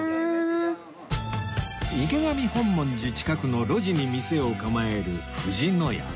池上本門寺近くの路地に店を構える藤乃屋